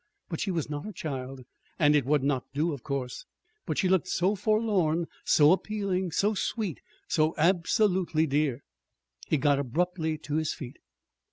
But she was not a child, and it would not do, of course. But she looked so forlorn, so appealing, so sweet, so absolutely dear He got abruptly to his feet.